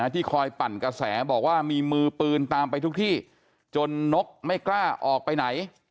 ที่คอยปั่นกระแสบอกว่ามีมือปืนตามไปทุกที่จนนกไม่กล้าออกไปไหน